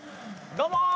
どうも！